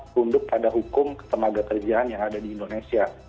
tunduk pada hukum ketenaga kerjaan yang ada di indonesia